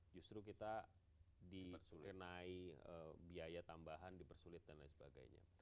justru kita dikenai biaya tambahan dipersulit dan lain sebagainya